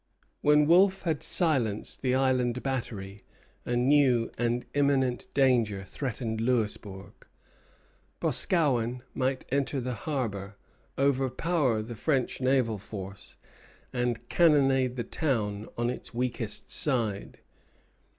When Wolfe had silenced the Island Battery, a new and imminent danger threatened Louisbourg. Boscawen might enter the harbor, overpower the French naval force, and cannonade the town on its weakest side.